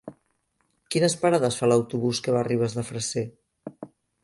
Quines parades fa l'autobús que va a Ribes de Freser?